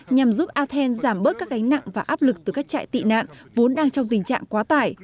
nhằm giúp athens giảm bớt các gánh nặng và áp lực từ các trại tị nạn vốn đang trong tình trạng quá tải